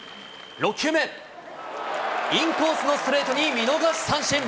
６球目、インコースのストレートに見逃し三振。